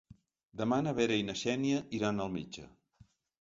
Demà na Vera i na Xènia iran al metge.